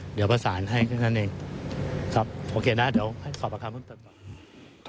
เดี๋ยวประสานให้กันกันเองครับโอเคนะเดี๋ยวขอบคำเพิ่มเติม